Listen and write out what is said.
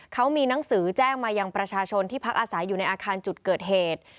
เขามีหนังสือแจ้งมายังประชาชนที่พักอาศัยอยู่ในอาคารจุดเกิดเหตุ